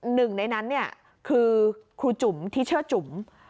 หนึ่งในนั้นเนี่ยคือครูจุ๋มที่ชื่อจุ๋ม